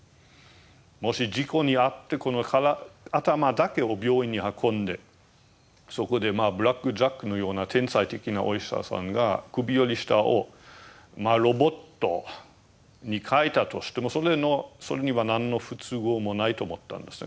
もし事故に遭ってこの頭だけを病院に運んでそこで「ブラック・ジャック」のような天才的なお医者さんが首より下をロボットに変えたとしてもそれには何の不都合もないと思ったんですね。